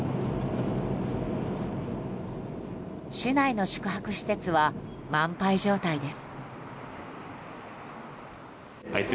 市内の宿泊施設は満杯状態です。